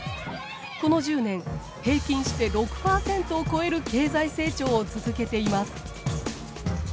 この１０年平均して６％を超える経済成長を続けています。